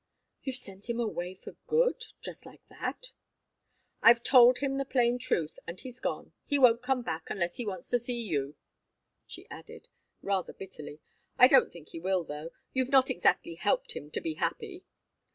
"You've sent him away for good just like that?" "I've told him the plain truth, and he's gone. He won't come back unless he wants to see you," she added, rather bitterly. "I don't think he will, though. You've not exactly helped him to be happy."